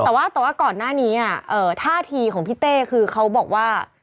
แต่ว่าแต่ว่าก่อนหน้านี้ท่าทีของพี่เต้คือเขาบอกว่า